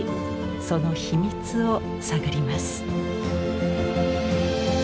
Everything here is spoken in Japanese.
その秘密を探ります。